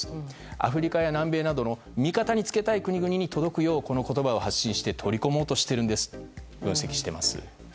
アフリカや南米などの味方につけたい国々に届くようこの言葉を発信して取り込もうとしていると分析しています。